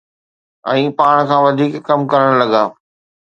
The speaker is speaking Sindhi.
۽ پاڻ کان وڌيڪ ڪم ڪرڻ لڳا.